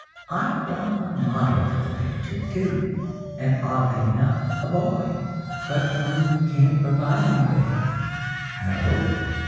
I want a model for the picture too, and, oddly enough, a boy; but one you can't provide me with." "No?